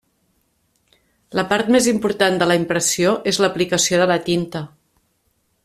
La part més important de la impressió és l'aplicació de la tinta.